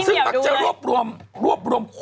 คุณหมอโดนกระช่าคุณหมอโดนกระช่า